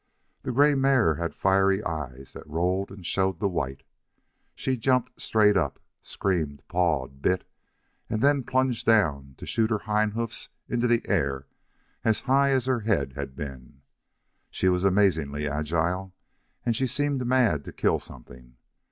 The gray mare had fiery eyes that rolled and showed the white. She jumped straight up, screamed, pawed, bit, and then plunged down to shoot her hind hoofs into the air as high as her head had been. She was amazingly agile and she seemed mad to kill something.